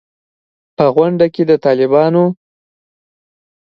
په غونډه کې د طالبانو